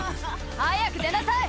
早く出なさい！